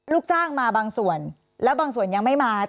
ลูกจ้างมาบางส่วนแล้วบางส่วนยังไม่มา